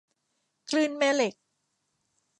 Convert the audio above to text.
คลื่นแม่เหล็ก